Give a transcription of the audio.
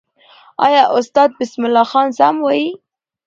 آیا استاد بسم الله خان سم وایي؟